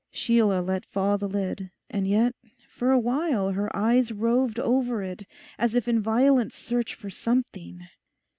Sheila let fall the lid; and yet for a while her eyes roved over it as if in violent search for something.